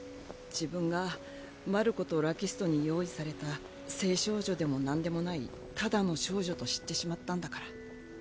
自分がマルコとラキストに用意された聖少女でもなんでもないただの少女と知ってしまったんだから。